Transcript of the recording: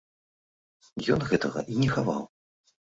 Ён гэтага і не хаваў.